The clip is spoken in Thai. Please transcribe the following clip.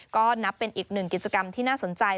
ก็นับเป็นอีกหนึ่งกิจกรรมที่น่าสนใจ